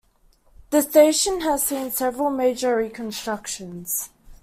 The station has seen several major reconstructions.